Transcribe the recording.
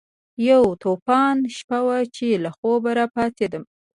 یوه طوفاني شپه وه چې له خوبه راپاڅېدم.